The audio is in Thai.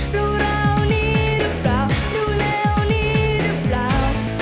ราวนี้รึเปล่าดูแนวนี้รึเปล่า